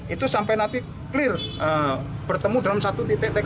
itu sampai nanti clear bertemu dalam satu titik tkp